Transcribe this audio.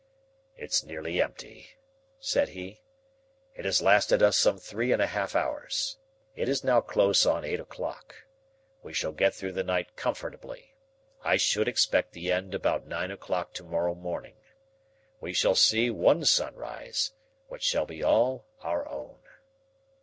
"It's nearly empty," said he. "It has lasted us some three and a half hours. It is now close on eight o'clock. We shall get through the night comfortably. I should expect the end about nine o'clock to morrow morning. We shall see one sunrise, which shall be all our own."